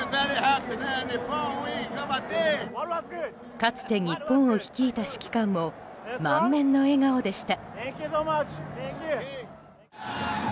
かつて日本を率いた指揮官も満面の笑顔でした。